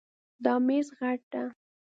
دا میز غټ ده